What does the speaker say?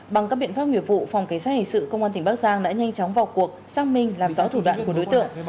bằng các biện pháp nghiệp vụ phòng cảnh sát hình sự công an tỉnh bắc giang đã nhanh chóng vào cuộc xác minh làm rõ thủ đoạn của đối tượng